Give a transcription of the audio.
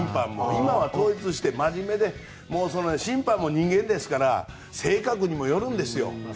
今は統一してまじめで審判も人間ですから性格にもよるんですよ。